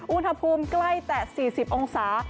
อุณหภูมิใกล้แต่๔๐องศา